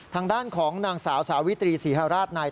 ทางด้านของนางสาวสาวิตรีศรีฮราชนาย